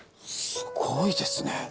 すごいですね。